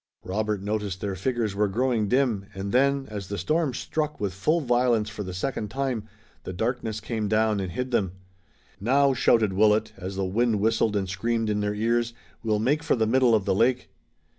Robert noticed their figures were growing dim, and then, as the storm struck with full violence for the second time, the darkness came down and hid them. "Now," shouted Willet, as the wind whistled and screamed in their ears, "we'll make for the middle of the lake!"